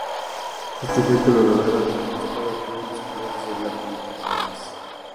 Este efecto lo lograba cuando mezclaba todos los colores de la paleta con gris.